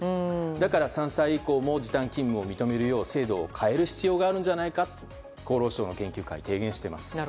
だから３歳以降も時短勤務を認めるよう制度を変える必要があるんじゃないかと厚労省の研究会は提言しています。